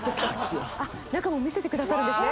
中も見せてくださるんですね。